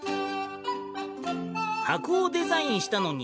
箱をデザインしたのにゃ。